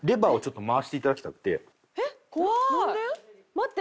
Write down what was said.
待って。